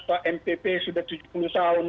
pak mpp sudah tujuh puluh tahun